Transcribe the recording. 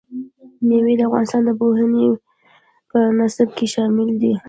مېوې د افغانستان د پوهنې په نصاب کې شامل دي.